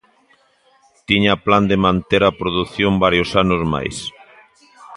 Tiña plan de manter a produción varios anos máis.